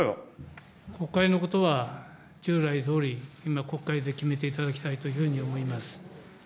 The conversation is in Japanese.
国会のことは、従来どおり、今、国会で決めていただきたいというふうに思います。